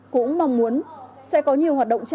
cũng mong muốn sẽ có nhiều hoạt động trải